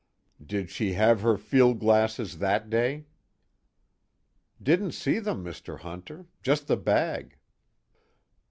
"Did she have her field glasses that day?" "Didn't see them, Mr. Hunter. Just the bag."